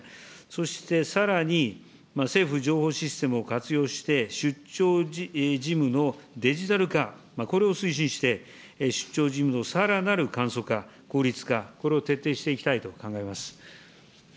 そして、さらに政府情報システムを活用して、出張事務のデジタル化、これを推進して、出張事務のさらなる簡素化、効率化、これを徹底していきたいと考えます。